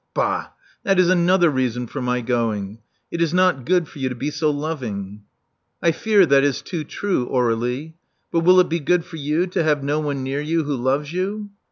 '* *'Bah! That is another reason for my going. It is not good for you to be so loving." I fear that it too true, Aurdlie. But will it be good for you to have no one near you who loves you?"